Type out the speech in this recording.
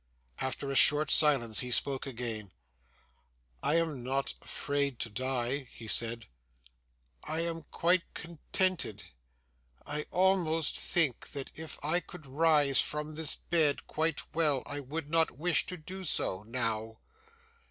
After a short silence, he spoke again. 'I am not afraid to die,' he said. 'I am quite contented. I almost think that if I could rise from this bed quite well I would not wish to do so, now.